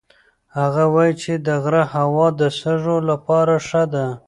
هغه وایي چې د غره هوا د سږو لپاره ښه ده.